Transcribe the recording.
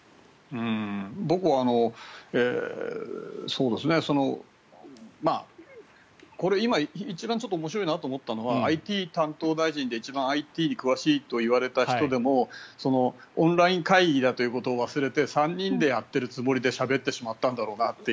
僕はこれ今、一番面白いなと思ったのはＩＴ担当大臣で、一番ＩＴに詳しいといわれた人でもオンライン会議だということを忘れて３人でやっているつもりでしゃべってしまったんだろうなと。